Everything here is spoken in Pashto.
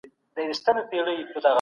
عرب بحیره